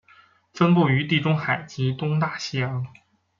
分布于地中海及东大西洋。